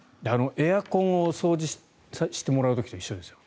エアコンを掃除してもらう時と一緒ですよ。